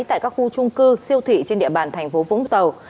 tại các khu trung cư siêu thị trên địa bàn thành phố vũng tàu